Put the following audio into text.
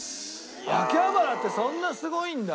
秋葉原ってそんなすごいんだ？